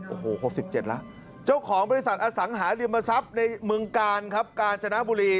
โอ้โห๖๗แล้วเจ้าของบริษัทอสังหาริมทรัพย์ในเมืองกาลครับกาญจนบุรี